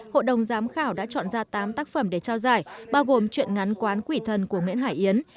hội đồng giám khảo đã chọn ra tám tác phẩm để trao giải bao gồm chuyện ngắn quán quỷ thần của nguyễn hải yến